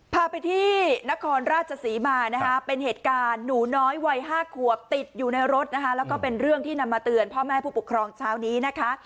พาไปที่นครราชศรีมานะคะเป็นเหตุการณ์หนูน้อยวัย๕ขวบติดอยู่ในรถนะคะแล้วก็เป็นเรื่องที่นำมาเตือนพ่อแม่ผู้ปกครองเช้านี้นะคะ